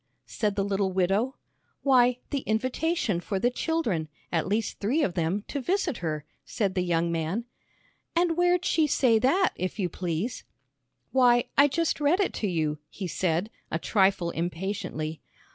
said the little widow. "Why, the invitation for the children, at least three of them, to visit her," said the young man. "An' where'd she say that, if you please?" "Why, I just read it to you," he said, a trifle impatiently.